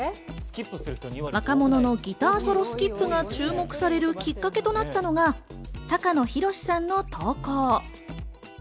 若者のギターソロスキップが注目されるきっかけとなったのが高野寛さんの投稿。